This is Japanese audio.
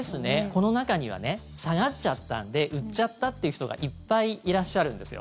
この中にはね下がっちゃったんで売っちゃったっていう人がいっぱいいらっしゃるんですよ。